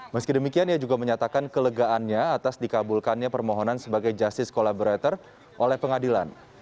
meski demikian ia juga menyatakan kelegaannya atas dikabulkannya permohonan sebagai justice collaborator oleh pengadilan